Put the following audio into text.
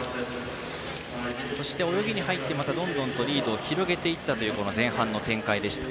そして泳ぎに入ってどんどんとリードを広げていったというこの前半の展開でした。